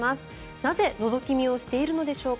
なぜのぞき見をしているのでしょうか